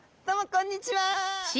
こんにちは。